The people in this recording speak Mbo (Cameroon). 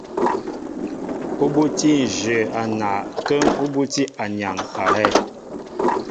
Ú bútí nzhě a naay kə́ŋ ú bútí anyaŋ a hɛ́.